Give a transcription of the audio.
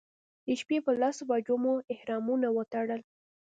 د شپې په لسو بجو مو احرامونه وتړل.